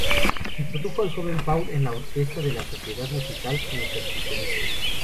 Introdujo al joven Paul en la orquesta de la sociedad musical como percusionista.